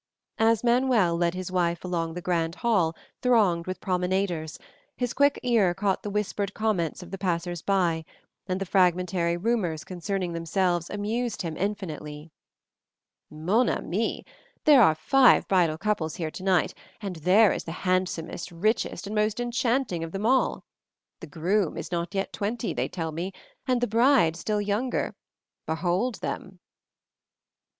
As Manuel led his wife along the grand hall thronged with promenaders, his quick ear caught the whispered comments of the passers by, and the fragmentary rumors concerning themselves amused him infinitely. "Mon ami! There are five bridal couples here tonight, and there is the handsomest, richest, and most enchanting of them all. The groom is not yet twenty, they tell me, and the bride still younger. Behold them!"